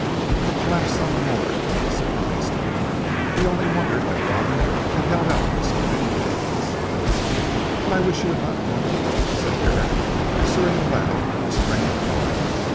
The collapse on the moor did not surprise him. He only wondered that Robin had held out for so many days. "But I wish you had not gone to London," said Herrick pursuing aloud this train of thought.